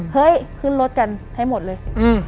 เฮ้ยขึ้นรถกันให้หมดเลย